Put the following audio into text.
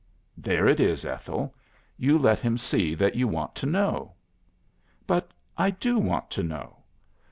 "There it is, Ethel. You let him see that you want to know." "But I do want to know.